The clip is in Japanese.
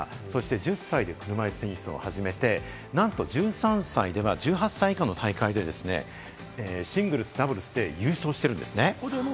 １０歳で車いすテニスを始めて、なんと１３歳では、１８歳以下の大会でシングルス、ダブルスで優勝してるんです。